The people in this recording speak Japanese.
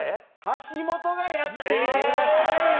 橋本がやってみてください。